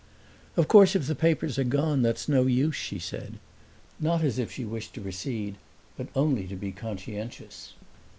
"Of course if the papers are gone that's no use," she said; not as if she wished to recede, but only to be conscientious.